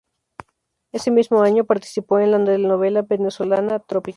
Ese mismo año, participó en la telenovela venezolana, "Trópico".